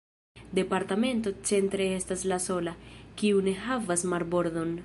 Departemento "Centre" estas la sola, kiu ne havas marbordon.